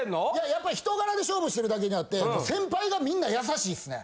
やっぱり人柄で勝負してるだけあって先輩がみんな優しいっすね。